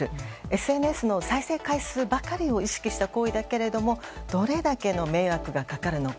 ＳＮＳの再生回数ばかりを意識した行為だけれどもどれだけの迷惑がかかるのか。